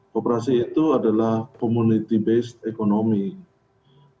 kooperasi itu adalah community based economy